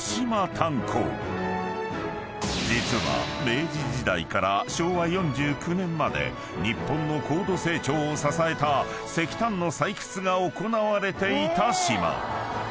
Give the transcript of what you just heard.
［実は明治時代から昭和４９年まで日本の高度成長を支えた石炭の採掘が行われていた島］